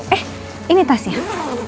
eh ini tasnya